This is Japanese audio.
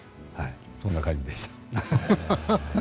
そんな感じでした。